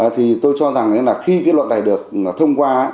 thì tôi cho rằng là khi cái luật này được thông qua